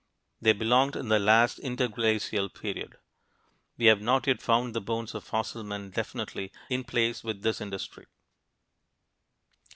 They belonged in the last interglacial period. We have not yet found the bones of fossil men definitely in place with this industry.